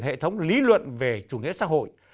hệ thống lý luận về chủ nghĩa xã hội